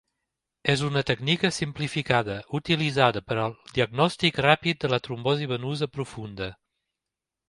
És una tècnica simplificada utilitzada per al diagnòstic ràpid de la trombosi venosa profunda.